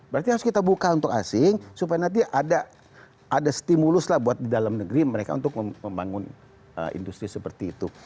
berarti harus kita buka untuk asing supaya nanti ada stimulus lah buat di dalam negeri mereka untuk membangun industri seperti itu